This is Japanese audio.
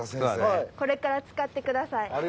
これから使ってください。